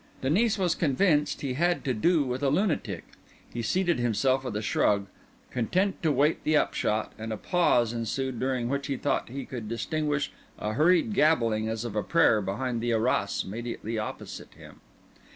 Denis was convinced he had to do with a lunatic. He seated himself with a shrug, content to wait the upshot; and a pause ensued, during which he thought he could distinguish a hurried gabbling as of prayer from behind the arras immediately opposite him.